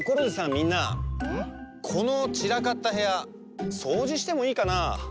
みんなこのちらかったへやそうじしてもいいかな？